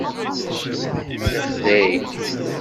Ixdeɛ-ik.